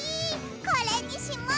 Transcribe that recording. これにします！